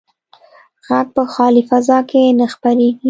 غږ په خالي فضا کې نه خپرېږي.